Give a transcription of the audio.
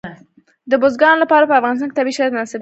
د بزګانو لپاره په افغانستان کې طبیعي شرایط مناسب دي.